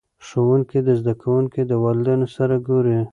ښوونکي د زده کوونکو د والدینو سره ګوري.